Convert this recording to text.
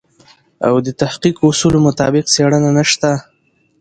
او د تحقیق اصولو مطابق څېړنه نشته دی.